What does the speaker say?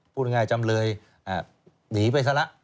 พูดง่ายจำเลยหนีไปซะละ